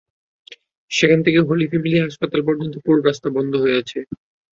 সেখান থেকে Holy Family হাসপাতাল পর্যন্ত পুরো রাস্তা বন্ধ হয়ে আছে।